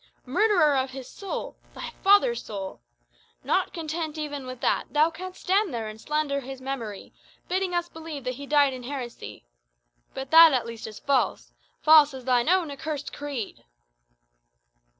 Murderer of his soul thy father's soul! Not content even with that, thou canst stand there and slander his memory, bidding us believe that he died in heresy! But that, at least, is false false as thine own accursed creed!"